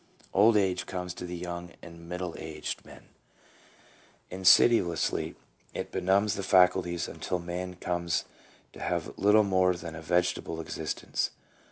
Old age comes to the young and middle aged man; in sidiously it benumbs the faculties until man comes to have little more than a vegetable existence.